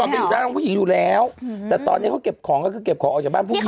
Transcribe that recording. ไปอยู่ด้านผู้หญิงอยู่แล้วแต่ตอนนี้เขาเก็บของก็คือเก็บของออกจากบ้านผู้หญิง